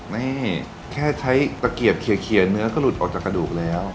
ไม่แค่ใช้ตะเกียบเขียนเนื้อก็หลุดออกจากกระดูกแล้ว